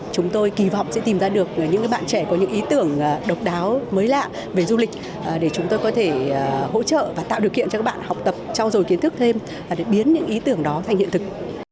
chúng tôi kỳ vọng sẽ tìm ra được những bạn trẻ có những ý tưởng độc đáo mới lạ về du lịch để chúng tôi có thể hỗ trợ và tạo điều kiện cho các bạn học tập trao dồi kiến thức thêm và để biến những ý tưởng đó thành hiện thực